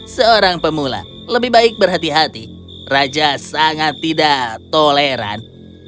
seorang pemula lebih baik berhati hati raja sangat tidak toleran